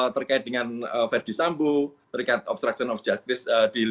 terkait dengan verdi sambu terkait dengan obstruction of justice